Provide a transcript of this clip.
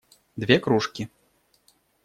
Две кружки.